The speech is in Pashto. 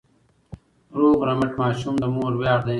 روغ رمټ ماشوم د مور ویاړ دی.